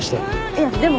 いやでも。